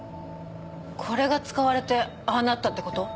これが使われてああなったってこと？